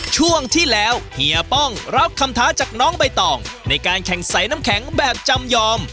ช่วงที่แล้วเฮียป้องรับคำท้าจากน้องใบตองในการแข่งใสน้ำแข็งแบบจำยอม